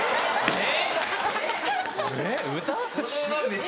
えっ？